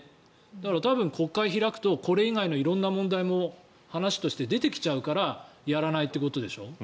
だから、多分国会を開くとこれ以外の色んな問題も話として出てきちゃうからやらないということでしょ。